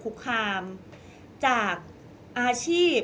ก็ต้องฝากพี่สื่อมวลชนในการติดตามเนี่ยแหละค่ะ